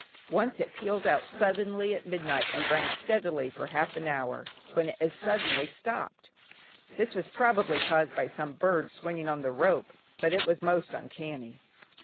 Once it pealed out suddenly at midnight and rang steadily for half an hour, when it as suddenly stopped. This was probably caused by some birds swinging on the rope, but it was most uncanny.